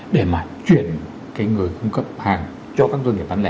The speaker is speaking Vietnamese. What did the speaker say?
để mà chuyển cái người cung cấp hàng cho các doanh nghiệp bán lẻ